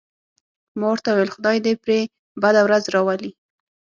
ما ورته وویل: خدای دې پرې بده ورځ راولي.